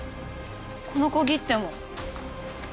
この小切手も。